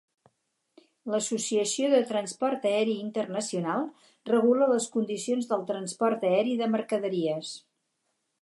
L'Associació de Transport Aeri Internacional regula les condicions del transport aeri de mercaderies.